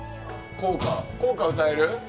校歌、歌える？